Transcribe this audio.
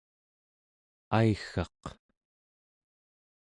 aiggaq